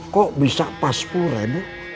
kok bisa pas puluh ribu